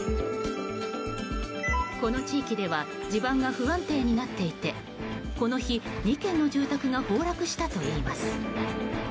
この地域では地盤が不安定になっていてこの日、２軒の住宅が崩落したといいます。